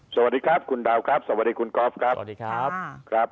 สวัสดีครับคุณดาวครับสวัสดีคุณกอล์ฟครับ